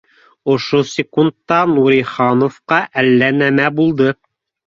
Ошо секундта Нурихановҡа әллә нәмә булды